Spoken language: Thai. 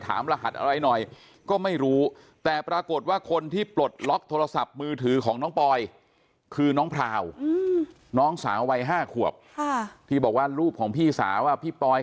ถามรหัสอะไรหน่อยก็ไม่รู้แต่ปรากฏว่าคนที่ปลดล็อคโทรศัพท์มือถือของน้องปอย